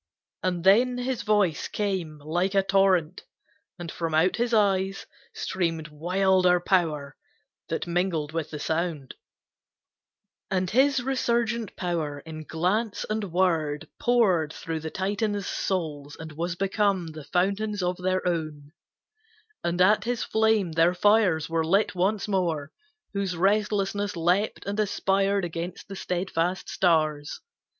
And then his voice Came like a torrent, and from out his eyes Streamed wilder power that mingled with the sound. And his resurgent power, in glance and word, Poured through the Titans' souls, and was become The fountains of their own, and at his flame Their fires were lit once more, whose restlessness Leapt and aspired against the steadfast stars.